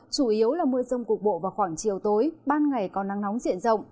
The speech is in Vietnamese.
chủ yếu là mưa rông cục bộ vào khoảng chiều tối ban ngày có nắng nóng diện rộng